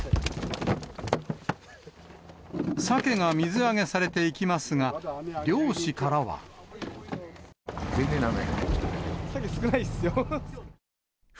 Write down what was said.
サケが水揚げされていきますが、全然だめ。